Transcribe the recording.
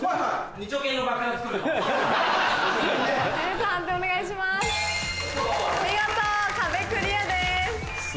見事壁クリアです。